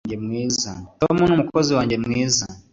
Tom numukozi wanjye mwiza